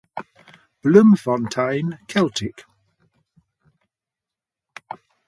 Bloemfontein Celtic